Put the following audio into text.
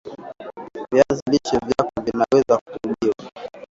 viazi lishe vyako vinaweza kuliwa